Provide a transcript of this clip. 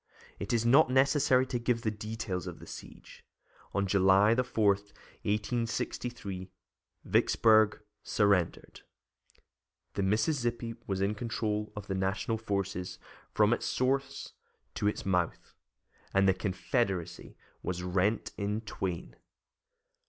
It is not necessary to give the details of the siege. On July 4, 1863, Vicksburg surrendered, the Mississippi was in control of the National forces from its source to its mouth, and the Confederacy was rent in twain.